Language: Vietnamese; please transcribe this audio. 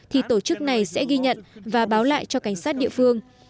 thì tổ chức này sẽ ghi nhận và báo lại cho cảnh sát địa phương